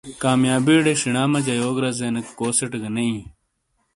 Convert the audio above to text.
کامیابی ڑے شنا مجا یو رزےنیک کوسیٹ گہ نے ایں۔